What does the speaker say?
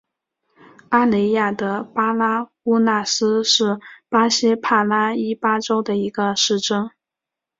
阿雷亚德巴拉乌纳斯是巴西帕拉伊巴州的一个市镇。